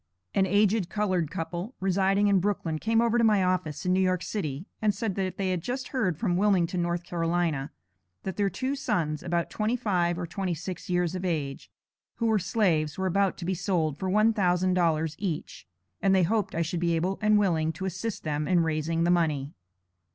An aged colored couple, residing in Brooklyn, came over to my office, in New York City, and said that they had just heard from Wilmington, N.C., that their two sons (about twenty five or twenty six years of age), who were slaves, were about to be sold, for one thousand dollars each; and they hoped I should be able and willing to assist them in raising the money.